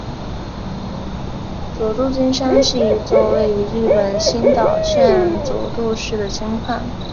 佐渡金山是一座位于日本新舄县佐渡市的金矿。